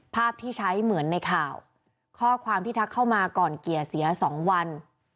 ภาพที่ใช้เหมือนในข่าวข้อความที่ทักเข้ามาก่อนเกลี่ยเสีย๒วัน